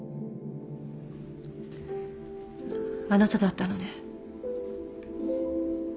あなただったのね。